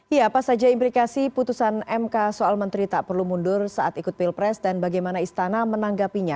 iya apa saja implikasi putusan mk soal menteri tak perlu mundur saat ikut pilpres dan bagaimana istana menanggapinya